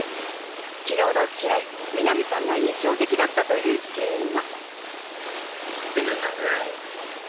昨日の試合、南さんが印象的だったというシーンが。